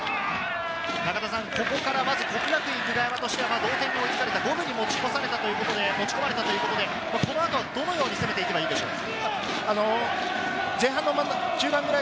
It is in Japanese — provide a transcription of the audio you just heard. ここからまず國學院久我山としては同点に追いつかれた、五分に持ち込まれたということで、この後、どのように攻めて行けばいいでしょう。